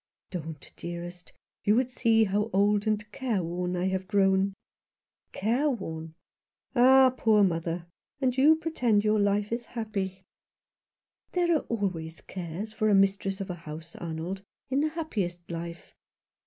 " Don't, dearest ; you would see how old and careworn I have grown." " Careworn ! Ah, poor mother ! And you pre tend your life is happy." 75 Rough Justice. "There are always cares for the mistress of a house, Arnold, in the happiest life.